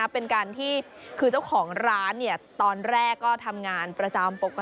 เป็นการที่คือเจ้าของร้านตอนแรกก็ทำงานประจำปกติ